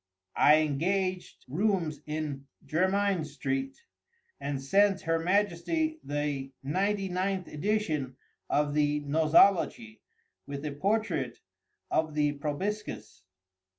I engaged rooms in Jermyn street, and sent her Majesty the ninety ninth edition of the "Nosology," with a portrait of the proboscis.